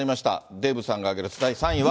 デーブさんが挙げる第３位は。